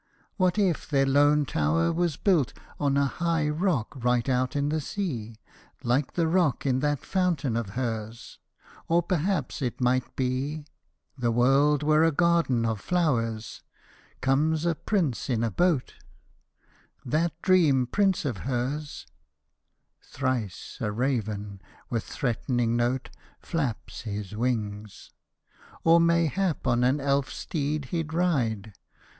What if their lone tower was built on a high rock right out in the sea. Like the rock in that fountain of hers ? or perhaps, it might be UISNEACH AND DRIRDRt 37 The world were a garden ol flowers. Comes a prince in a boat — That dream prince of hers — (thrice a raven, with threatening note, Flaps his wings) — or mayhap on an elf steed he 'd ride.